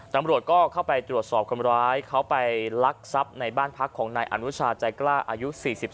ตำรวจก็เข้าไปตรวจสอบคนร้ายเขาไปลักทรัพย์ในบ้านพักของนายอนุชาใจกล้าอายุ๔๒